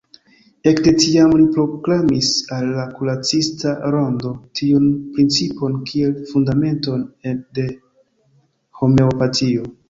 Ekde tiam li proklamis al la kuracista rondo tiun principon kiel fundamenton de Homeopatio.